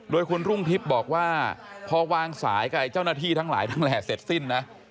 โดยคุณรุ่งทิพย์บอกว่าพอวางสายกับเจ้าหน้าที่ทั้งหลายทั้งแหล่เสร็จสิ้นนะ